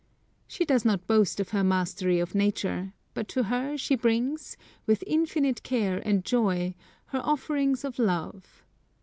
She does not boast of her mastery of nature, but to her she brings, with infinite care and joy, her offerings of love.